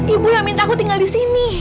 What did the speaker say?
ibu yang minta aku tinggal disini